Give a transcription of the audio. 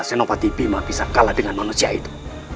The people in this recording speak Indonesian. senopati bima bisa kalah dengan manusia itu